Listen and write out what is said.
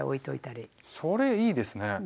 それいいですね。